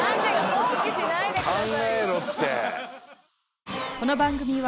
放棄しないでくださいよ